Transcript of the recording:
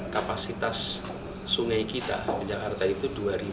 kapasitas sungai kita di jakarta itu dua